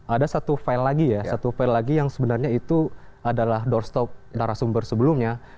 ada satu file lagi ya satu file lagi yang sebenarnya itu adalah doorstop darah sumber sebelumnya